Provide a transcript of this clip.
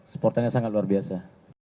supportannya sangat luar biasa